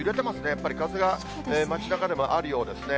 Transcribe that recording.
やっぱり風が街なかでもあるようですね。